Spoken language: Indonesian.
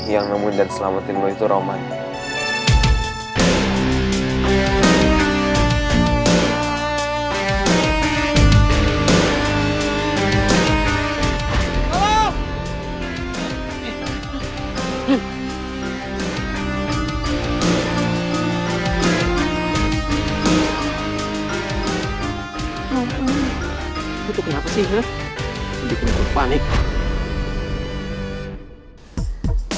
yang ngamuin dan selamatin lo itu romanya